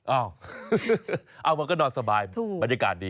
เอาเอามาก็นอนสบายบรรยากาศดี